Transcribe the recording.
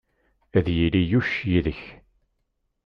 Ad yili Yuc yid-k!